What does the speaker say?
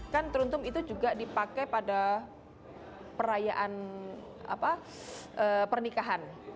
kan teruntum itu juga dipakai pada perayaan pernikahan